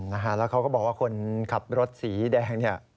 แล้วเขาก็บอกว่าคนขับรถสีแดงเนี่ย